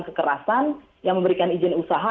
kekerasan yang memberikan izin usaha